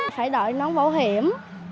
phải đợi nón bảo hiểm